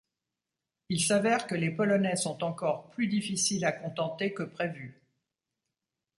Il s'avère que les Polonais sont encore plus difficiles à contenter que prévu.